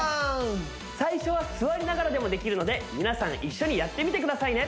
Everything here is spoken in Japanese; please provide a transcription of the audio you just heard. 最初は座りながらでもできるので皆さん一緒にやってみてくださいね